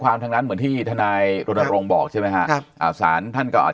ความทางนั้นเหมือนที่ทนายโรดรงบอกใช่ไหมครับอาสารท่านก็อาจ